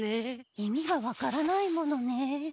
意味がわからないものね。